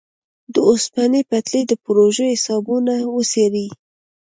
د اوسپنې پټلۍ د پروژو حسابونه وڅېړي.